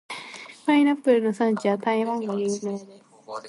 パイナップルの産地は台湾が有名です。